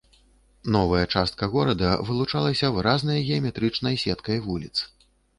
Новая частка горада вылучалася выразнай геаметрычнай сеткай вуліц.